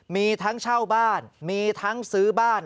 มีทั้งเช่าบ้านมีทั้งซื้อบ้าน